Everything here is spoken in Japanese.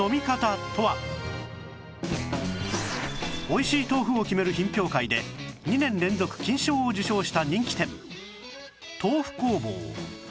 美味しい豆腐を決める品評会で２年連続金賞を受賞した人気店